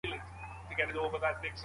لنډۍ بې معنی نه وي.